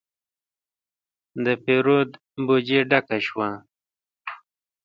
د پیرود بوجي ډکه شوه.